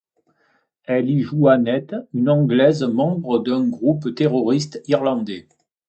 Elle y joue Annette, une Anglaise membre d'un groupe terroriste irlandais.